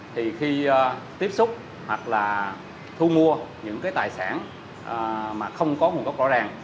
thì khi tiếp xúc hoặc là thu mua những cái tài sản mà không có nguồn gốc rõ ràng